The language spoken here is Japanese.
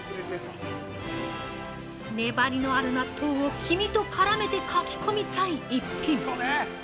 粘りのある納豆を黄身と絡めてかき込みたい逸品！